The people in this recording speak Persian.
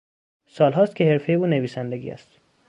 سالهاست که حرفهی او نویسندگی است.